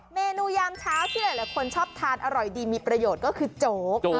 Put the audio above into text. เมนูยามเช้าที่หลายคนชอบทานอร่อยดีมีประโยชน์ก็คือโจ๊ก